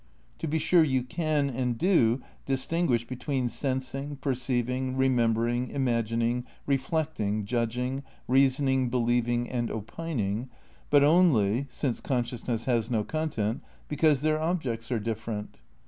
To be sure you can, and do, distinguish between sensing, perceiving, remembering, imagining, reflect ing, judging, reasoning believing and opining, but, only (since consciousness has no content) because their ob jects are different.